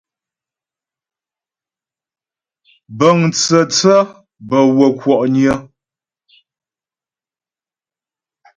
Bəŋ tsə̂tsě bə́ wə́ kwɔ'nyə.